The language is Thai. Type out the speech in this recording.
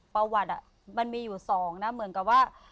ประวัติมันมีอยู่๒นะเหมือนกันว่า